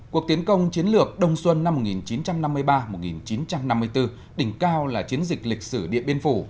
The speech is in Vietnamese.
cuộc tiến công chiến lược đông xuân năm một nghìn chín trăm năm mươi ba một nghìn chín trăm năm mươi bốn đỉnh cao là chiến dịch lịch sử điện biên phủ